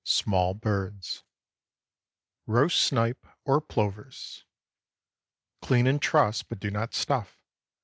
SMALL BIRDS. ROAST SNIPE OR PLOVERS. Clean and truss, but do not stuff.